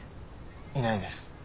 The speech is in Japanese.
いないです。